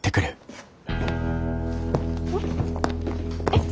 えっ？